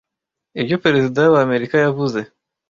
Ibyo Perezida wa Amerika yavuze